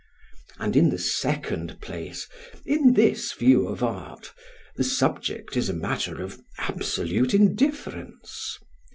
And in the second place, in this view of art, the subject is a matter of absolute indifference.